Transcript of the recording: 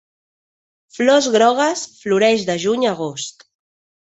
Flors grogues, floreix de juny a agost.